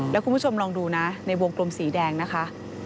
แล้วคุณผู้ชมลองดูนะในวงกลมสีแดงนะคะ